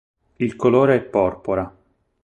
Il colore è porpora.